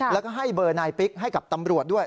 แล้วก็ให้เบอร์นายปิ๊กให้กับตำรวจด้วย